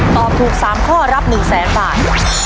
ตอบถูก๓ข้อรับ๑แสนบาท